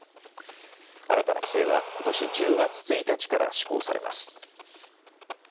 新たな規制はことし１０月１日から施行されます。